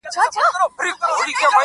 • ویل زه یو ځلي ځمه تر بازاره -